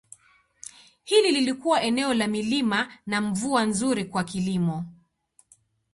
Hili lilikuwa eneo la milima na mvua nzuri kwa kilimo.